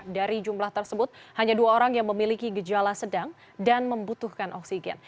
dari jumlah tersebut hanya dua orang yang memiliki gejala sedang dan membutuhkan oksigen